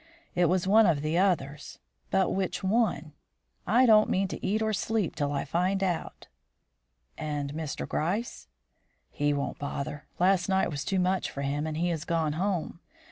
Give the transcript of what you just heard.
It was one of the others. But which one? I don't mean to eat or sleep till I find out." "And Mr. Gryce?" "He won't bother. Last night was too much for him, and he has gone home.